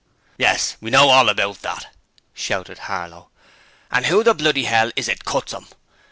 'Yes! We know all about that!' shouted Harlow. 'And who the bloody 'ell is it cuts 'em?